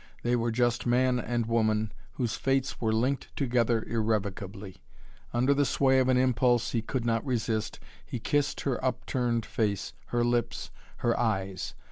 They were just man and woman whose fates were linked together irrevocably. Under the sway of an impulse he could not resist, he kissed her upturned face, her lips, her eyes.